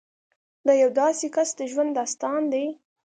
د یو داسې کس د ژوند داستان دی